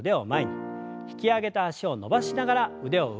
引き上げた脚を伸ばしながら腕を上。